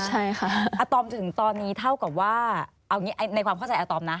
ใช่ค่ะอาตอมจนถึงตอนนี้เท่ากับว่าเอางี้ในความเข้าใจอาตอมนะ